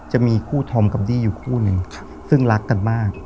จะมีคู่ธอมกับดี้อยู่คู่หนึ่งซึ่งรักกันมาก